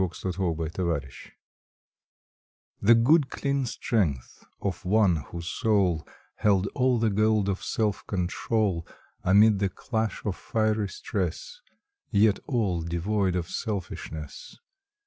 February Eleventh LINCOLN PHE good clean strength of one whose soul Held all the gold of self control Amid the clash of fiery stress, Yet all devoid of selfishness.